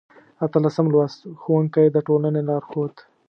اتلسم لوست: ښوونکی د ټولنې لارښود